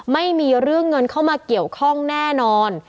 ไม่มีเรื่องเงินเข้ามาเกี่ยวข้องแน่นอน